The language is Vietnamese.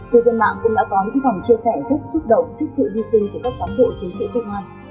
tư dân mạng cũng đã có những dòng chia sẻ rất xúc động trước sự hy sinh của các táng bộ chiến sĩ trung an